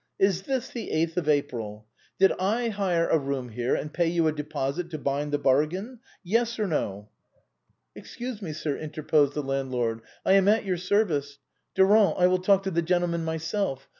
Is this the eighth of April ? Did I hire a room here and pay you a deposit to bind the bargain ? Yes or no ?"" Excuse me, sir !" interposed the landlord ;" I am at your service. Durand, I will talk to the gentleman myself.